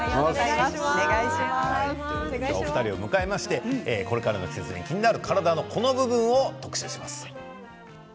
お二人を迎えましてこれからの季節に気になる体のこの部分を特集します。